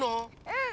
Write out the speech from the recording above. うん！